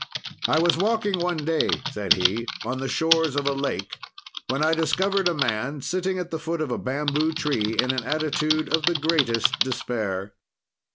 "I was walking one day," said he, "on the shores of a lake, when I discovered a man sitting at the foot of a bamboo tree, in an attitude of the greatest despair.